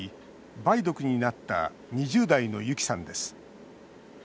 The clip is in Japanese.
梅毒になった２０代のユキさんです。